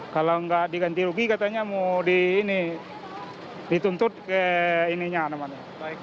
kalau nggak diganti rugi katanya mau dituntut ke ininya namanya